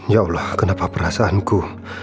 ya allah kenapa perasaanku